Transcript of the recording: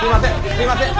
すいません。